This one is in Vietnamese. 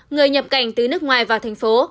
người nhập cảnh từ nước ngoài vào thành phố